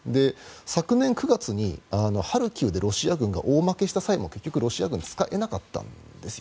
昨年９月にハルキウでロシア軍が大負けした際も結局、ロシア軍使えなかったんですよ。